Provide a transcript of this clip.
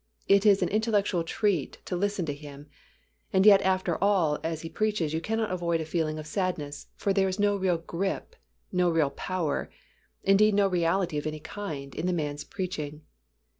It is an intellectual treat to listen to him, and yet after all as he preaches you cannot avoid a feeling of sadness, for there is no real grip, no real power, indeed no reality of any kind, in the man's preaching.